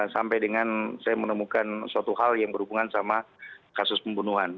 sampai dengan saya menemukan suatu hal yang berhubungan sama kasus pembunuhan